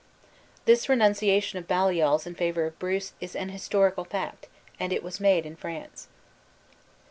" This renunciation of Baliol's in favor of Bruce is an historical fact, and it was made in France.